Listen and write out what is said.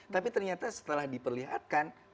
tapi ternyata setelah diperlihatkan